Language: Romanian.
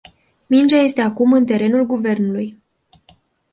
Mingea este acum în terenul guvernului.